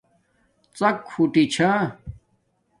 ڎک ہوٹی چھا